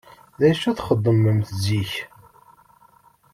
D acu i txeddmemt zik?